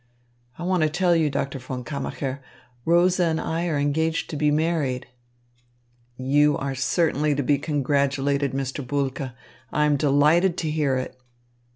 I want to tell you, Doctor von Kammacher, Rosa and I are engaged to be married." "You are certainly to be congratulated, Mr. Bulke. I am delighted to hear it."